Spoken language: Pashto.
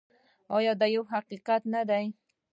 آیا دا یو حقیقت نه دی؟